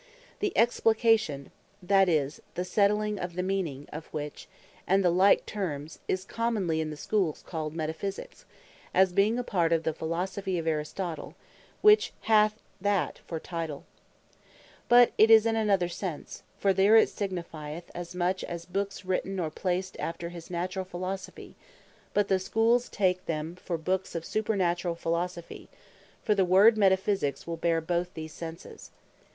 The Explication (that is, the setling of the meaning) of which, and the like Terms, is commonly in the Schools called Metaphysiques; as being a part of the Philosophy of Aristotle, which hath that for title: but it is in another sense; for there it signifieth as much, as "Books written, or placed after his naturall Philosophy:" But the Schools take them for Books Of Supernaturall Philosophy: for the word Metaphysiques will bear both these senses.